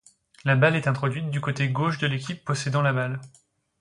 La balle est introduite du côté gauche de l'équipe possédant la balle.